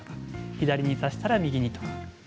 左にさしたら右に。